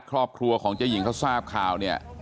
ครอบครัวญาติพี่น้องเขาก็โกรธแค้นมาทำแผนนะฮะ